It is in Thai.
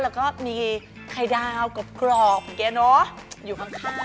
แล้วก็มีไข่ดาวกรอบอยู่ข้าง